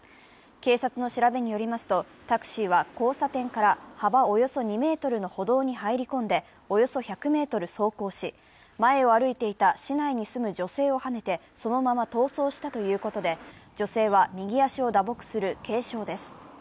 警察の調べによりますとタクシーは交差点から幅およそ２ｍの歩道に入り込んでおよそ１００ｍ走行し、前を歩いていた市内に住む女性をはねてそのまま逃走したということで女性は右足を打撲する軽傷です。